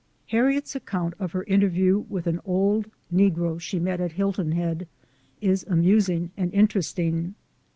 Harriet's account of her interview with an old negro she met at Hilton Head, is amusing and interesting.